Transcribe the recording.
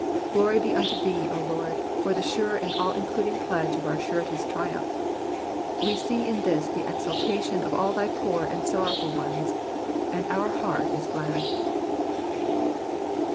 Glory be unto thee, O Lord, for the sure and all including pledge of our Surety's triumph ; we see in this the exaltation of all thy poor and sorrowful ones, and our heart is glad.